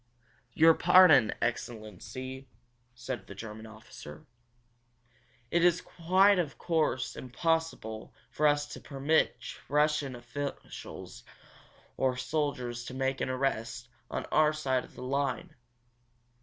"Your pardon, excellency," said the German officer. "It is, of course, quite impossible for us to permit Russian officials or soldiers to make an arrest on our side of the line!"